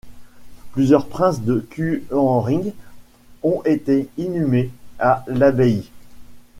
Plusieurs princes de Kuenring ont été inhumés à l'abbaye.